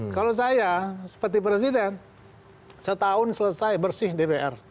kalau saya seperti presiden setahun selesai bersih dpr